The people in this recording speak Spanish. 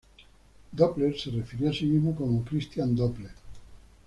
Doppler se refirió a sí mismo como Christian Doppler.